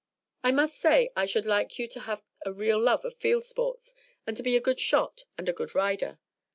"I must say I should like you to have a real love of field sports and to be a good shot and a good rider.